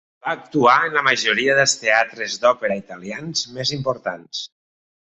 Va actuar en la majoria dels teatres d'òpera italians més importants.